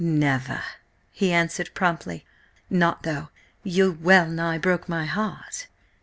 "Never!" he answered promptly. "Not though you well nigh broke my heart!"